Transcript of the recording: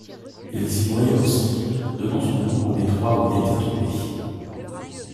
Il s'y noya aussi, donnant son nom au détroit où il était tombé.